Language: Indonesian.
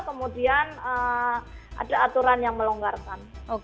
kemudian ada aturan yang melonggarkan